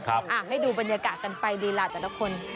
ให้ดูบรรยากาศกันไปดีล่ะแต่ละคน